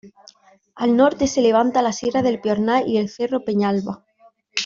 Al norte se levanta la Sierra del Piornal y el Cerro Peñalba.